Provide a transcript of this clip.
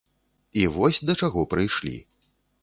І вось да чаго прыйшлі.